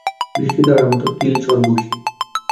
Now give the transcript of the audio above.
বৃষ্টিধারার মতো কিল চড় ঘুসি।